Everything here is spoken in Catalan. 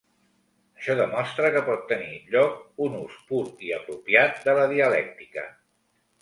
Això demostra que pot tenir lloc un ús pur i apropiat de la dialèctica.